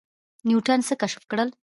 نیوټن څه کشف کړل؟